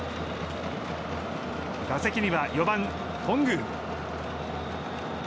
打席には４番、頓宮。